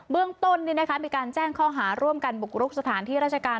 เรื่องต้นมีการแจ้งข้อหาร่วมกันบุกรุกสถานที่ราชการ